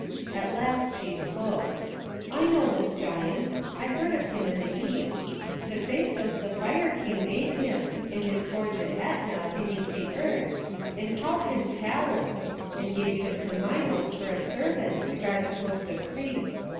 At last she spoke; "I know this giant. I heard of him in the East. Hephaistos the Fire King made him, in his forge in Ætna beneath the earth, and called him Talus, and gave him to Minos for a servant, to guard the coast of Crete.